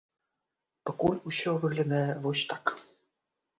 Пакуль усё выглядае вось так.